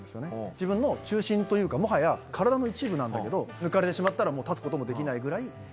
自分の中心というかもはや体の一部なんだけど抜かれてしまったらもう立つこともできないぐらいっていうとかで。